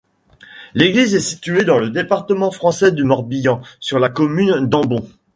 L'église est située dans le département français du Morbihan, sur la commune d'Ambon.